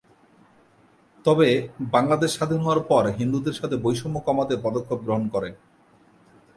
তবে, বাংলাদেশ স্বাধীন হওয়ার পর হিন্দুদের সাথে বৈষম্য কমাতে পদক্ষেপ গ্রহণ করে।